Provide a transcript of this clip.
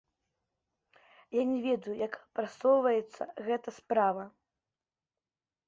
Я не ведаю, як прасоўваецца гэта справа.